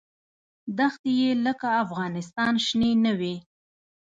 دښتې یې لکه افغانستان شنې نه وې.